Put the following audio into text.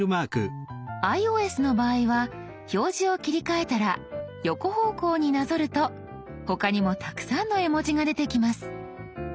ｉＯＳの場合は表示を切り替えたら横方向になぞると他にもたくさんの絵文字が出てきます。